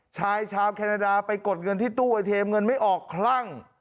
ชายชาวแคนาดาไปกดเงินที่ตู้ไอเทมเงินไม่ออกคลั่ง